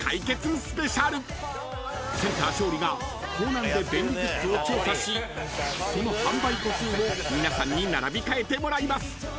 ［センター勝利がコーナンで便利グッズを調査しその販売個数を皆さんに並び替えてもらいます］